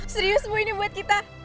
serius semua ini buat kita